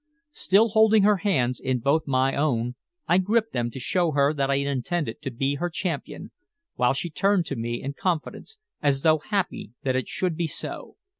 Still holding her hands in both my own I gripped them to show her that I intended to be her champion, while she turned to me in confidence as though happy that it should be so.